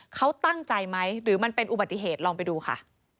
เขาตั้งใจไหมหรือมันเป็นอุบัติเหตุลองไปดูค่ะ